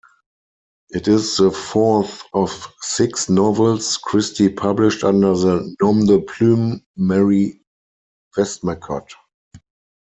It is the fourth of six novels Christie published under the nom-de-plume Mary Westmacott.